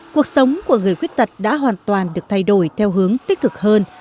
cuộc sống của người khuyết tật đã hoàn toàn được thay đổi theo hướng tích cực hơn